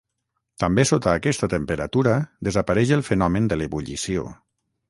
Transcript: També sota aquesta temperatura desapareix el fenomen de l'ebullició.